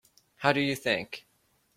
How do you think?